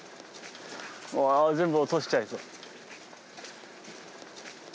全部落としちゃいそう。